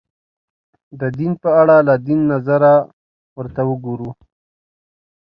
د دین په اړه له دین نظره ورته وګورو